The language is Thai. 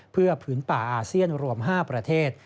เพื่อผืนป่าอาเซียนรวม๕ประเทศ